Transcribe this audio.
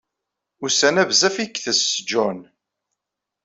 Ussan-a bezzaf i itess John.